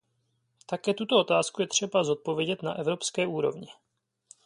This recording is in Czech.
Také tuto otázku je třeba zodpovědět na evropské úrovni.